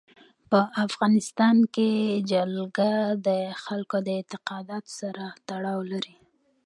په افغانستان کې جلګه د خلکو د اعتقاداتو سره تړاو لري.